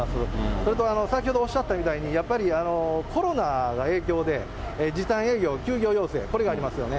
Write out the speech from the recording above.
それと先ほどおっしゃったみたいに、やっぱりコロナが影響で、時短営業、休業要請、これがありますよね。